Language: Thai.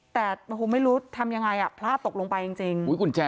แต่ไม่รู้จะทำอย่างไรพระถังตกลงไปจริง